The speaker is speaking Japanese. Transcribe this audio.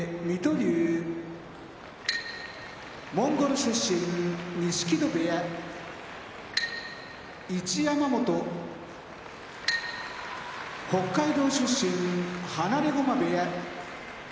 龍モンゴル出身錦戸部屋一山本北海道出身放駒部屋